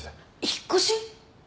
引っ越し？